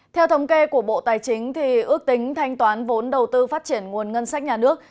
theo thống kê của bộ tài chính ước tính thanh toán vốn đầu tư phát triển nguồn ngân sách nhà nước